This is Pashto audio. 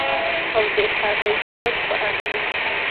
او د هغې جاج به اخلي -